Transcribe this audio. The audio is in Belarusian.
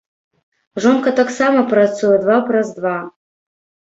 Жонка таксама працуе два праз два.